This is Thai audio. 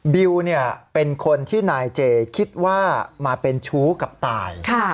บิวเป็นคนที่นายเจคิดว่ามาเป็นชู้กับตาย